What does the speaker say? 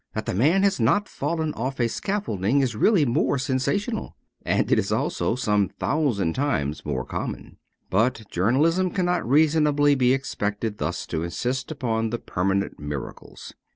That the man has not fallen off a scaffolding is really more sensational ; and it is also some thousand times more common. But journal ism cannot reasonably be expected thus to insist upon the permanent miracles.